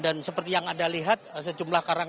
dan seperti yang anda lihat sejumlah karangan